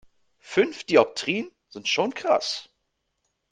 Fünf Dioptrien sind schon krass.